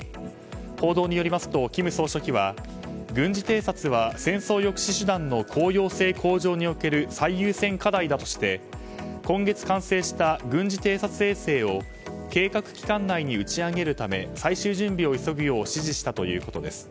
報道によりますと、金総書記は軍事偵察は戦争抑止手段の効用性向上における最優先課題だとして今月完成した軍事偵察衛星を計画期間内に打ち上げるため最終準備を急ぐよう指示したということです。